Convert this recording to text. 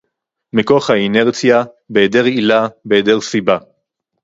מכוח האינרציה, בהיעדר עילה, בהיעדר סיבה